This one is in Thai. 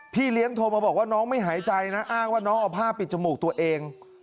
เลี้ยงโทรมาบอกว่าน้องไม่หายใจนะอ้างว่าน้องเอาผ้าปิดจมูกตัวเอง